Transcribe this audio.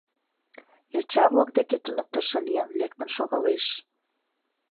Йоча-влак деке туныктышо лийын лектын шогалеш.